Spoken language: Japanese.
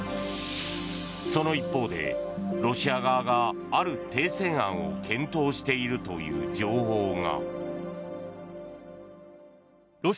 その一方でロシア側がある停戦案を検討しているという情報が。